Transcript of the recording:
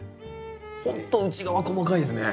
ほんと内側細かいですね。